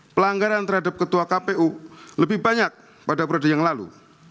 pelanggaran terhadap ketua kpu lebih banyak pada periode yang lalu